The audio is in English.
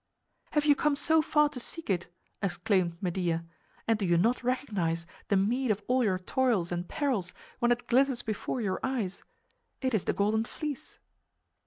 "Have you come so far to seek it," exclaimed Medea, "and do you not recognize the meed of all your toils and perils when it glitters before your eyes? It is the Golden Fleece."